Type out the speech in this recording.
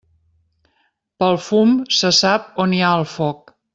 Pel fum se sap on hi ha el foc.